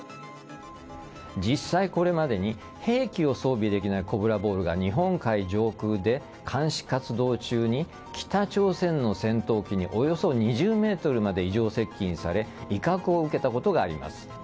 実際、これまでに兵器を装備できないコブラボールが日本海上空で監視活動中に北朝鮮の戦闘機におよそ２０ｍまで異常接近され威嚇を受けたことがあります。